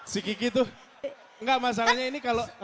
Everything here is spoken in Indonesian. si kiki tuh enggak masalahnya ini kalau